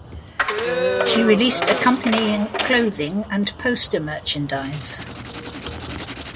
She released accompanying clothing and poster merchandise.